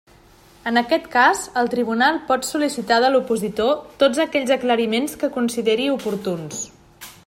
En aquest cas el Tribunal pot sol·licitar de l'opositor tots aquells aclariments que consideri oportuns.